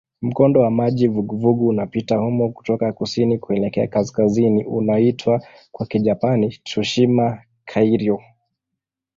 Mkondo wa maji vuguvugu unapita humo kutoka kusini kuelekea kaskazini unaoitwa kwa Kijapani "Tsushima-kairyū".